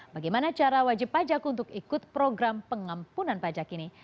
bagaimana cara wajib pajak untuk ikut program pengampunan pajak ini